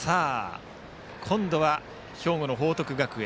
今度は兵庫の報徳学園。